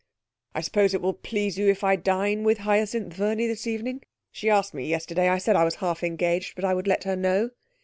'I suppose it will please you if I dine with Hyacinth Verney this evening? She asked me yesterday. I said I was half engaged, but would let her know.'